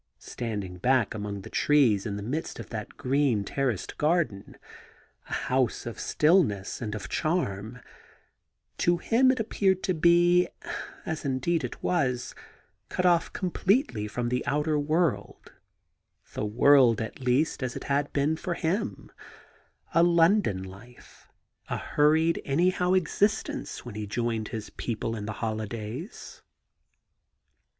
Standing back among the trees in the midst of that green terraced garden — a house of stillness and of charm — to him it appeared to be, as indeed it was, cut off completely from the outer world — the world, at least, as it had been for him ; a London life, a hurried, anyhow existence when he joined his people in the holidays.